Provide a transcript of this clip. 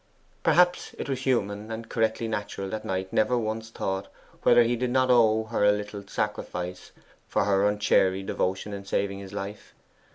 Perhaps it was human and correctly natural that Knight never once thought whether he did not owe her a little sacrifice for her unchary devotion in saving his life.